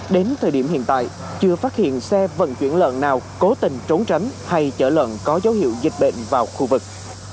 đến thời điểm hiện tại chưa phát hiện xe vận chuyển lợn nào cố tình trốn tránh hay chở lợn có dấu hiệu dịch bệnh vào khu vực